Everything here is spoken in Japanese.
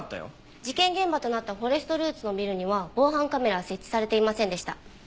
事件現場となったフォレストルーツのビルには防犯カメラは設置されていませんでした。